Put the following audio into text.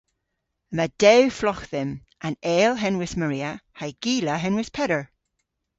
Yma dew flogh dhymm - an eyl henwys Maria ha'y gila henwys Peder.